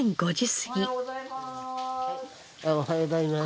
おはようございます。